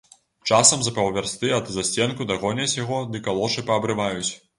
Часам за паўвярсты ад засценку дагоняць яго ды калошы паабрываюць.